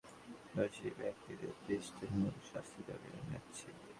আমরা ঘটনার সুষ্ঠু তদন্ত দাবি করে দোষী ব্যক্তিদের দৃষ্টান্তমূলক শাস্তির দাবি জানাচ্ছি।